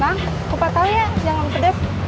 bang kupa tanya yang ngedes